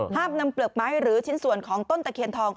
ห้ามนำเปลือกไม้หรือชิ้นส่วนของต้นตะเคียนทอง